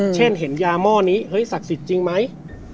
เช่นเห็นยาหม้อนี้เฮ้ยศักดิ์สิทธิ์จริงไหม